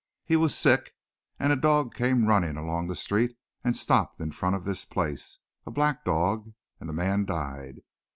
He was sick, and a dog came running along the street and stopped in front of this place a black dog and the man died.